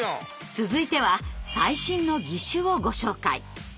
続いては最新の義手をご紹介。